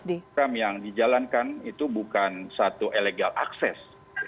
sebenarnya program yang dijalankan itu bukan satu elegan akses